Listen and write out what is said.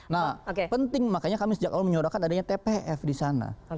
nah penting makanya kami sejak awal menyodorkan adanya tpf di sana